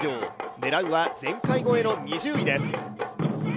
狙うは、前回超えの２０位です。